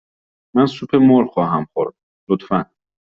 من سوپ مرغ خواهم خورد، لطفاً.